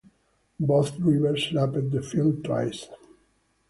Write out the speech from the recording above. Both drivers lapped the field twice.